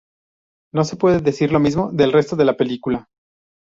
No se puede decir lo mismo del resto de la película.